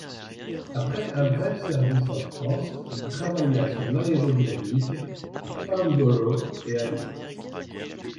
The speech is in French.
Après un bref service en France, il travailla sur l'aérodynamique à Farnborough et ailleurs.